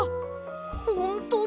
ほんとに？